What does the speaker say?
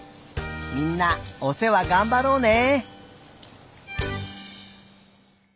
みんなおせわがんばろうね。